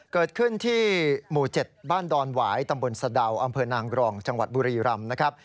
เกิดขึ้นที่หมู่๗บ้านดอนหวายตำบลสะดาวอำเภอนางกรองจังหวัดบุรีรำนะครับ